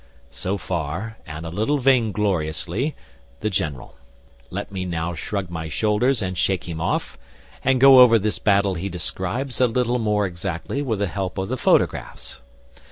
So far, and a little vaingloriously, the general. Let me now shrug my shoulders and shake him off, and go over this battle he describes a little more exactly with the help of the photographs.